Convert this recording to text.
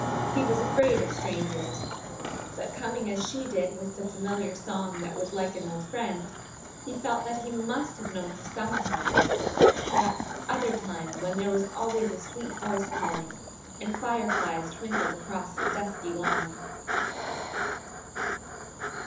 He was afraid of strangers; but coming as she did with the familiar song that was like an old friend, he felt that he must have known her sometime, that other time when there was always a sweet voice calling, and fireflies twinkled across a dusky lawn.